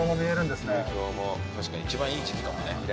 確かに一番いい時期かもね。